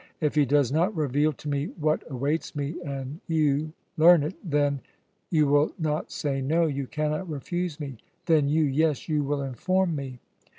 If he does not reveal to me what awaits me and you learn it, then you will not say no, you cannot refuse me then you, yes, you will inform me?"